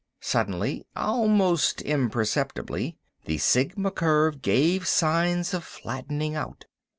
Suddenly, almost imperceptibly, the Sigma curve gave signs of flattening out.